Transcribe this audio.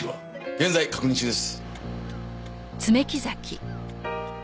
現在確認中です。